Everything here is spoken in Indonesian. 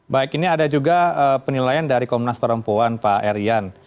baik ini ada juga penilaian dari komnas perempuan pak erian